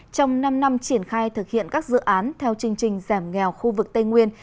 trong năm năm triển khai thực hiện các dự án theo chương trình giảm nghèo khu vực tây nguyên